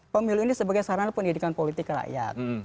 pemilu ini sebagai sarana pendidikan politik rakyat